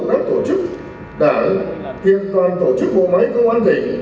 các tổ chức đảng tiền toàn tổ chức bộ máy công an tỉnh